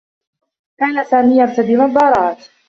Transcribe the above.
كان سامي يرتدي نظّارات.